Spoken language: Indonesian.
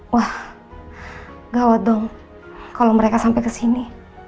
wah gawat dong kalau mereka sampai ke sini